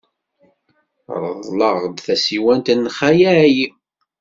Reḍleɣ-d tasiwant n Xali Ɛli.